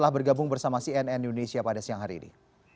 telah bergabung bersama cnn indonesia pada siang hari ini